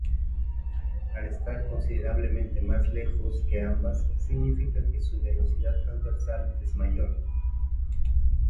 Al estar considerablemente más lejos que ambas significa que su velocidad transversal es mayor.